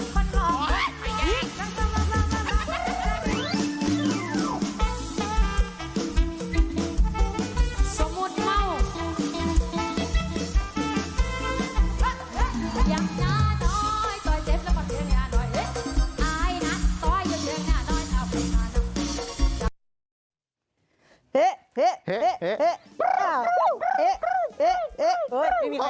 ไม่มีใครห้ามเหรอ